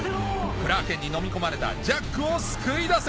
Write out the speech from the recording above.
クラーケンにのみ込まれたジャックを救い出せ！